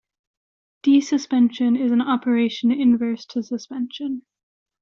Desuspension is an operation inverse to suspension.